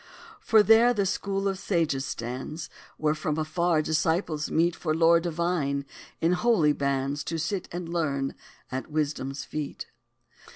For there the school of sages stands, Where, from afar, disciples meet For lore divine, in holy bands To sit and learn at Wisdom's feet.